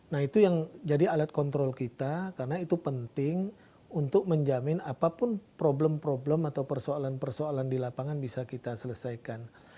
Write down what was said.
nah itu yang jadi alat kontrol kita karena itu penting untuk menjamin apapun problem problem atau persoalan persoalan di lapangan bisa kita selesaikan